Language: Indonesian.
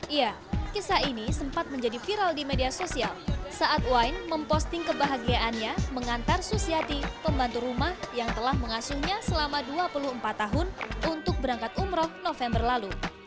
iya kisah ini sempat menjadi viral di media sosial saat wain memposting kebahagiaannya mengantar susiati pembantu rumah yang telah mengasuhnya selama dua puluh empat tahun untuk berangkat umroh november lalu